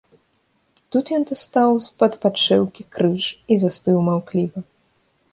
Тут ён дастаў з-пад падшэўкі крыж і застыў маўкліва.